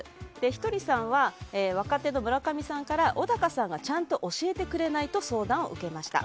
ひとりさんは若手の村上さんから、小高さんがちゃんと教えてくれないと相談を受けました。